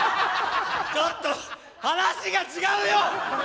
ちょっと話が違うよ！